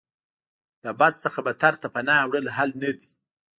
له بد څخه بدتر ته پناه وړل حل نه دی.